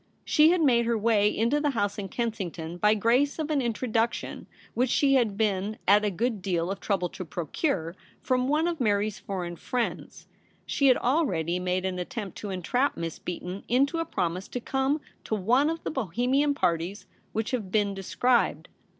She had made her way into the house In Kensington by grace of an Introduc tion which she had been at a good deal of trouble to procure from one of Mary's foreign friends. She had already made an attempt to entrap Miss Beaton into a promise to come to one of the Bohemian parties which have been described.